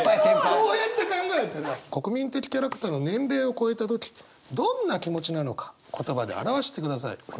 そうやって考えたら国民的キャラクターの年齢を超えた時どんな気持ちなのか言葉で表してください。